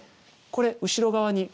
これ後ろ側に。